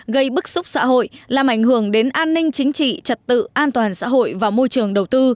gây bức xúc xã hội làm ảnh hưởng đến an ninh chính trị trật tự an toàn xã hội và môi trường đầu tư